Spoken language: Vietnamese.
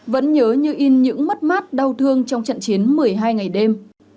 vẫn nhớ như in những mất mát đau thương trong trận chiến một mươi hai ngày đêm